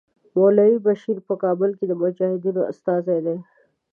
مولوي بشیر په کابل کې د مجاهدینو استازی دی.